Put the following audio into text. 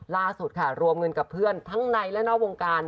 ล่าสุดค่ะรวมเงินกับเพื่อนทั้งในและนอกวงการ